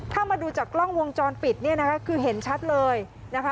ถ้ามาดูจากกล้องวงจรปิดเนี่ยนะคะคือเห็นชัดเลยนะคะ